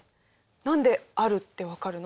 何であるって分かるの？